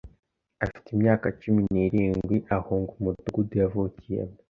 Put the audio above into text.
Afite imyaka cumi n'irindwi, ahunga umudugudu yavukiyemo